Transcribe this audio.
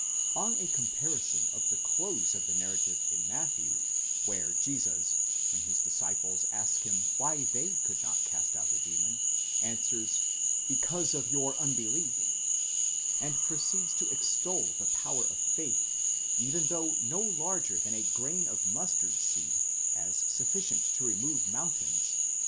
On a comparison of the close of the narrative in Matthew, where Jesus, when his disciples ask him why they could not cast out the demon, answers; Because of your unbelief, and proceeds to extol the power of faith, even though no larger than a grain of mustard seed, as sufficient to remove mountains (v.